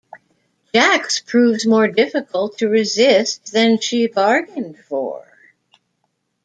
Jax proves more difficult to resist than she bargained for.